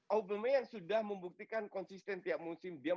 aubameyang sudah membuktikan konsisten tiap musim